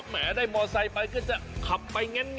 แหมได้มอสไซค์ไปก็จะขับไป